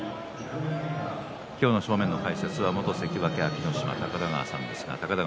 今日の正面の解説は元関脇安芸乃島、高田川さんです。